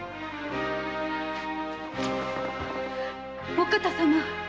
お方様！